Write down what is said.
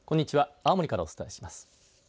青森からお伝えします。